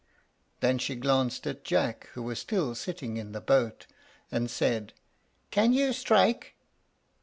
Then she glanced at Jack, who was still sitting in the boat, and said, "Can you strike?"